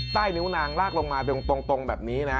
ใต้นิ้วนางลากลงมาตรงแบบนี้นะฮะ